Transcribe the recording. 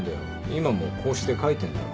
今もこうして書いてんだろ。